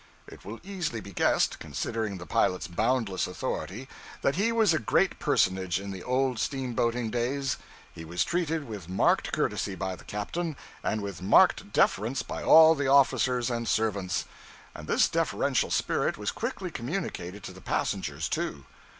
It will easily be guessed, considering the pilot's boundless authority, that he was a great personage in the old steamboating days. He was treated with marked courtesy by the captain and with marked deference by all the officers and servants; and this deferential spirit was quickly communicated to the passengers, too.